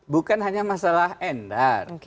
bukan hanya masalah endar